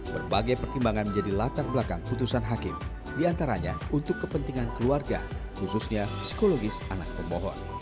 berbagai pertimbangan menjadi latar belakang putusan hakim diantaranya untuk kepentingan keluarga khususnya psikologis anak pemohon